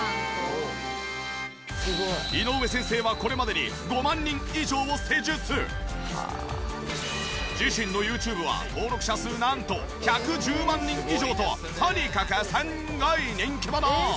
井上先生はこれまでに自身のＹｏｕＴｕｂｅは登録者数なんと１１０万人以上ととにかくすんごい人気者！